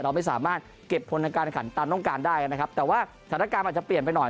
เราไม่สามารถเก็บผลทางการขันตามต้องการได้นะครับแต่ว่าสถานการณ์อาจจะเปลี่ยนไปหน่อย